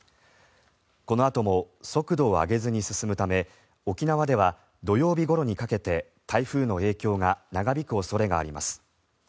このあとも速度を上げずに進むため沖縄では土曜日ごろにかけて台風の影響が長引く恐れがあります。